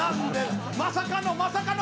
まさかのまさかの！